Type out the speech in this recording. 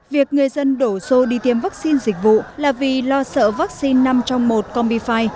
việc người dân đổ xô đi tiêm vaccine dịch vụ là vì lo sợ vaccine năm trong một combifi